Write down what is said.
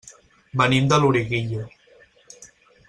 Venim de Loriguilla.